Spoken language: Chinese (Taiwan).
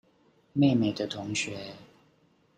妹妹的同學